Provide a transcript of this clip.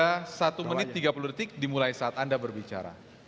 anda satu menit tiga puluh detik dimulai saat anda berbicara